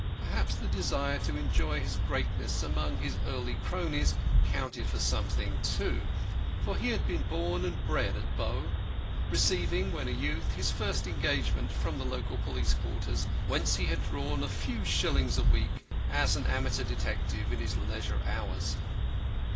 Perhaps the desire to enjoy his greatness among his early cronies counted for something, too, for he had been born and bred at Bow, receiving when a youth his first engagement from the local police quarters, whence he had drawn a few shillings a week as an amateur detective in his leisure hours.